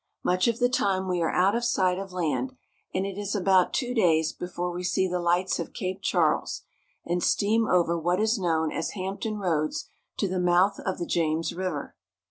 Much of the time we are out of sight of land, and it is about two days before we see the lights of Cape Charles, and steam over what is known as Hampton Roads captain joh^n smith. to the mouth of the James River.